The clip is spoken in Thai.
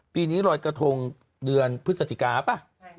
ปีนี้รอยกระทงเดือนพฤศจิกาป่ะ